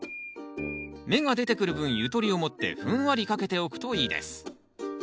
芽が出てくる分ゆとりを持ってふんわりかけておくといいです。